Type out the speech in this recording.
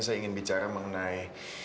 saya ingin bicara mengenai